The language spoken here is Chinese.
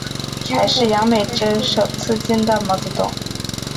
这是杨美真首次见到毛泽东。